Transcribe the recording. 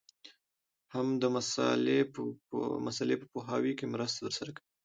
هم د مسألې په پوهاوي کي مرسته درسره کوي.